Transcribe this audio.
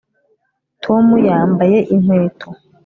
tom yambaye inkweto